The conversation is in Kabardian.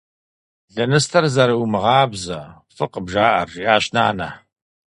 - Лэныстэр зэрыумыгъабзэ — фӏыкъым жаӏэр, - жиӏащ нанэ.